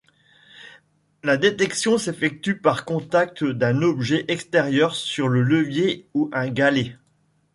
La détection s’effectue par contact d’un objet extérieur sur le levier ou un galet.